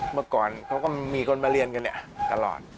เมื่อก่อนเขาก็มีคนมาเรียนกันเนี่ยตลอด